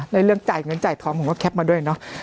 เรื่องจ่ายเงินจ่ายทองผมก็แคปมาด้วยเนาะ